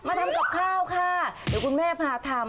ทำกับข้าวค่ะเดี๋ยวคุณแม่พาทำ